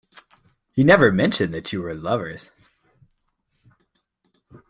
He never mentioned that you were lovers.